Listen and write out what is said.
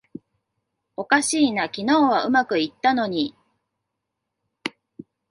おかしいな、昨日はうまくいったのに